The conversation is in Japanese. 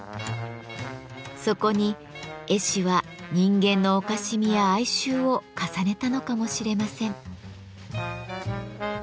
そこに絵師は人間のおかしみや哀愁を重ねたのかもしれません。